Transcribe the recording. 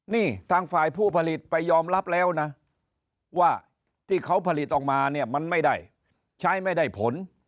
นี่ทางฝ่ายผู้ผลิตไปยอมรับแล้วนะว่าที่เขาผลิตออกมาเนี่ยมันไม่ได้ใช้ไม่ได้ผล